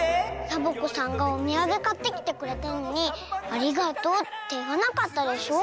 サボ子さんがおみやげかってきてくれたのに「ありがとう」っていわなかったでしょ。